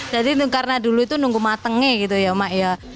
jadi karena dulu itu nunggu matengnya gitu ya mak